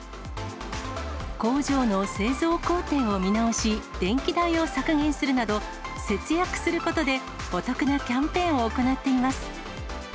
工場の製造工程を見直し、電気代を削減するなど、節約することで、お得なキャンペーンを行っています。